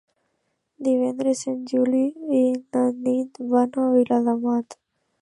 Divendres en Juli i na Nit van a Viladamat.